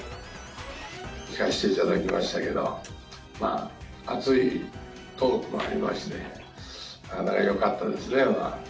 聞かせていただきましたけど、暑いトークもありまして、よかったですね。